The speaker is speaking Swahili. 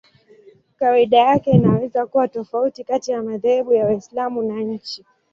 Kawaida yake inaweza kuwa tofauti kati ya madhehebu ya Waislamu na nchi.